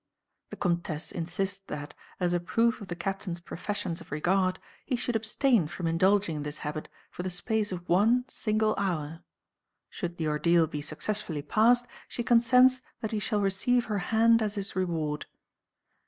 The Comtesse insists that, as a proof of the captain's professions of regard, he should abstain from indulging in this habit for the space of one single hour. Should the ordeal be successfully passed, she consents that he shall receive her hand as his reward.